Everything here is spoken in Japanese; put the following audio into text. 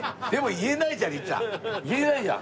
言えないじゃん